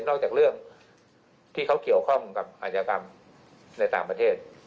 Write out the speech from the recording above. จากเรื่องที่เขาเกี่ยวข้องกับอาชญากรรมในต่างประเทศ